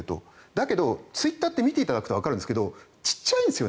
だけど、ツイッターって見ていただくとわかるんですが小さいんですよ